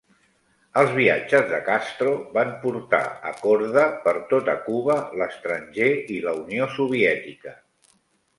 Els viatges de Castro van portar a Korda per tota Cuba, l'estranger i la Unió Soviètica.